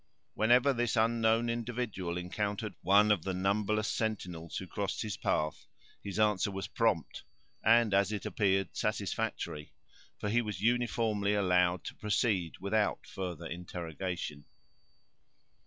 Whenever this unknown individual encountered one of the numberless sentinels who crossed his path, his answer was prompt, and, as it appeared, satisfactory; for he was uniformly allowed to proceed without further interrogation.